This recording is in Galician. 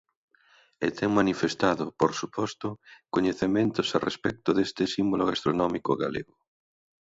E ten manifestado, por suposto, coñecementos a respecto deste símbolo gastronómico galego.